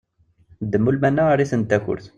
Ddem ulman-a err-iten d takurt!